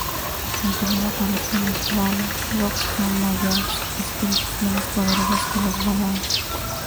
Aunque no lo parezca, los balrogs son maiar, espíritus menos poderosos que los valar.